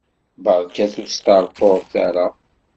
Berkat ur sṭerṭuret ara!